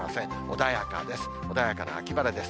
穏やかです。